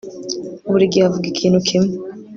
Buri gihe avuga ikintu kimwe